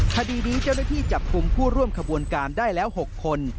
คดีนี้เจ้าหน้าที่จับกลุ่มผู้ร่วมขบวนการได้แล้ว๖คน